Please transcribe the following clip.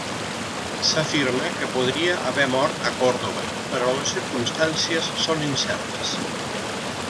S'afirma que podria haver mort a Còrdova, però les circumstàncies són incertes.